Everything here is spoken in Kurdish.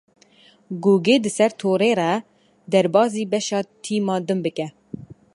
Gogê di ser torê re derbasî beşa tîma din bike.